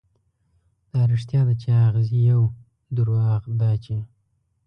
دا رښتيا ده، چې اغزي يو، دروغ دا چې